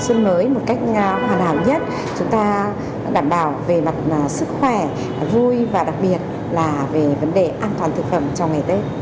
xuân mới một cách hoàn hảo nhất chúng ta đảm bảo về mặt sức khỏe vui và đặc biệt là về vấn đề an toàn thực phẩm trong ngày tết